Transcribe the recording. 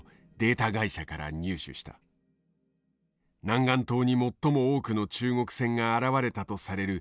南竿島に最も多くの中国船が現れたとされる